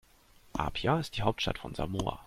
Apia ist die Hauptstadt von Samoa.